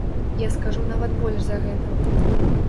Я скажу нават больш за гэта.